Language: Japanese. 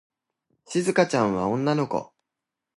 しずかちゃんは女の子。